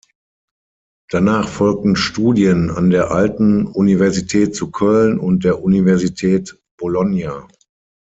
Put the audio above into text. Danach folgten Studien an der alten Universität zu Köln und der Universität Bologna.